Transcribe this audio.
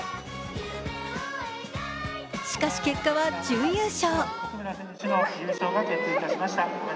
しかし、結果は準優勝。